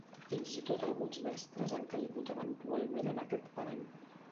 Fins i tot alguns mestres han caigut eventualment en aquest parany.